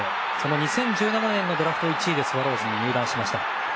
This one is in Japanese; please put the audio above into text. ２０１７年のドラフト１位でスワローズに入団しました。